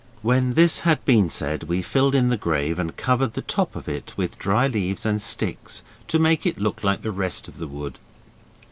When this had been said we filled in the grave and covered the top of it with dry leaves and sticks to make it look like the rest of the wood.